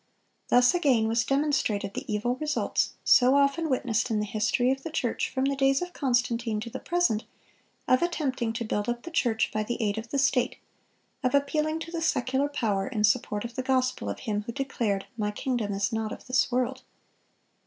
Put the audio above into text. Thus again was demonstrated the evil results, so often witnessed in the history of the church from the days of Constantine to the present, of attempting to build up the church by the aid of the state, of appealing to the secular power in support of the gospel of Him who declared, "My kingdom is not of this world."